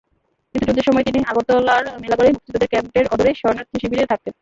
কিন্তু যুদ্ধের সময় তিনি আগরতলার মেলাঘরে মুক্তিযোদ্ধাদের ক্যাম্পের অদূরেই শরণার্থীশিবিরে থাকতেন।